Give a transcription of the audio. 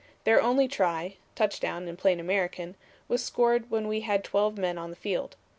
Their only try (touchdown in plain American) was scored when we had twelve men on the field.